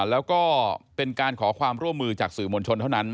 แล้วก็เป็นการขอความร่วมมือจากสื่อมวลชนเท่านั้น